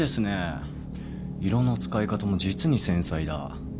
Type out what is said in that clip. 色の使い方も実に繊細だ。